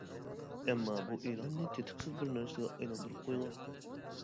ئەمما بۇ ئېلاننى تېتىقسىز بىر نەرسىگە ئايلاندۇرۇپ قويغان.